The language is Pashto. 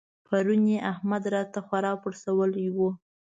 پرون يې احمد راته خورا پړسولی وو.